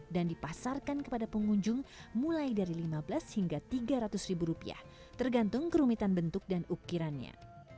dan dipasarkan kepada pengunjung mulai dari lima belas hingga tiga ratus ribu rupiah tergantung kerumitan bentuk dan ukirannya